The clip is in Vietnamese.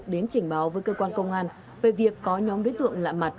đến trình báo với cơ quan công an về việc có nhóm đối tượng lạ mặt